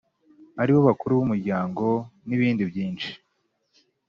ari bo bakuru b’umuryango n’ibindi byinshi.